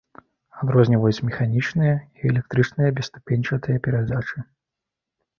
Адрозніваюць механічныя і электрычныя бесступеньчатыя перадачы.